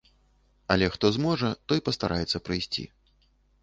Але хто зможа, той пастараецца прыйсці.